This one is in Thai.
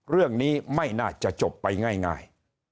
เรื่องนี้ไม่น่าจะจบไปง่าย